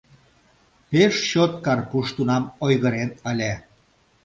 Пеш чот Карпуш тунам ойгырен ыле...